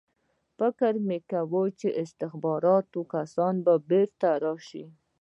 فکر مې وکړ چې استخباراتي کسان به بېرته راشي